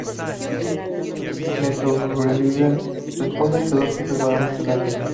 Le sobreviven su esposa y dos hijos varones gemelos.